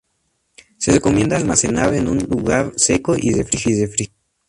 Se recomienda almacenar en un lugar seco y refrigerado.